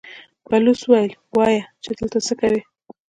بلوڅ وويل: وايي چې دلته څه کوئ؟